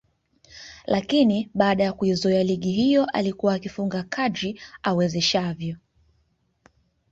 lakini baada ya kuizoea ligi hiyo alikuwa akifunga kadri awezeshavyo